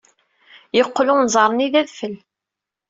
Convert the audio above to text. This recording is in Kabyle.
Yeqqel unẓar-nni d adfel.